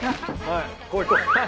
はい。